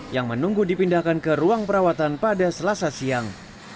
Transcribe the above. yang menunggu dipindahkan ke ruang perawatan pada selasa siang